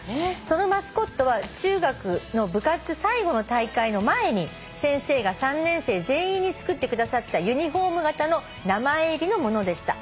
「そのマスコットは中学の部活最後の大会の前に先生が３年生全員に作ってくださったユニホーム型の名前入りのものでした」